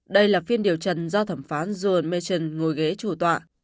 đây là phiên điều trần do thẩm phán john mestion ngồi ghế chủ tọa